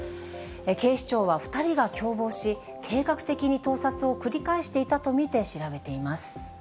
警視庁は２人が共謀し、計画的に盗撮を繰り返していたと見て調べています。